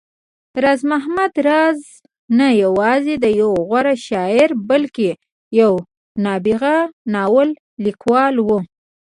راز محمد راز نه يوازې يو غوره شاعر، بلکې يو نابغه ناول ليکوال و